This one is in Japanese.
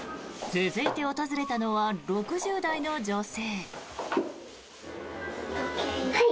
続いて訪れたのは６０代の女性。